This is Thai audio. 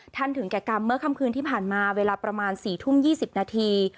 ถึงแก่กรรมเมื่อค่ำคืนที่ผ่านมาเวลาประมาณ๔ทุ่ม๒๐นาที